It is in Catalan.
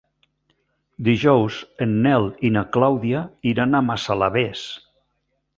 Dijous en Nel i na Clàudia iran a Massalavés.